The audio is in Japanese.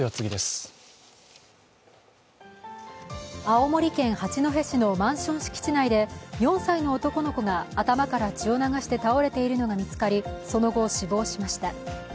青森県八戸市のマンション敷地内で４歳の男の子が頭から血を流して倒れているのが見つかりその後、死亡しました。